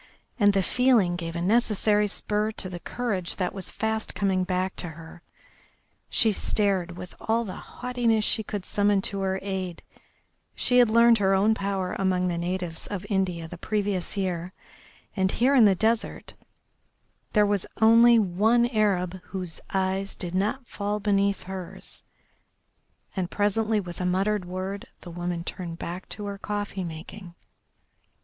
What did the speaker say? And the feeling gave a necessary spur to the courage that was fast coming back to her. She stared with all the haughtiness she could summon to her aid; she had learned her own power among the natives of India the previous year, and here in the desert there was only one Arab whose eyes did not fall beneath hers, and presently with a muttered word the woman turned back to her coffee making.